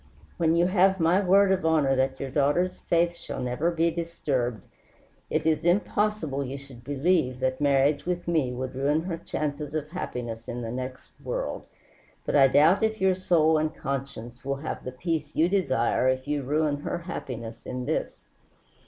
When you have my word of honor that your daughter's faith shall never be disturbed, it is impossible you should believe that marriage with me would ruin her chances of happiness in the next world. But I doubt if your soul and conscience will have the peace you desire if you ruin her happiness in this.